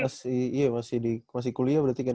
berarti masih kuliah berarti kan ya